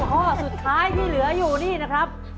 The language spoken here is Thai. ข้อสุดท้ายที่เหลืออยู่นี่นะครับ